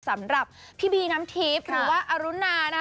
สำหรับพี่บีน้ำทิพย์หรือว่าอรุณานะ